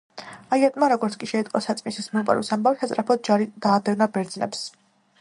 აიეტმა როგორც კი შეიტყო საწმისის მოპარვის ამბავი სასწრაფოდ ჯარი დაადევნა ბერძნებს.